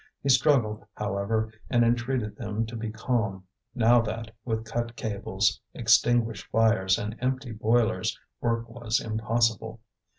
He struggled, however, and entreated them to be calm, now that, with cut cables, extinguished fires, and empty boilers, work was impossible.